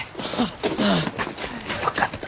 よかった！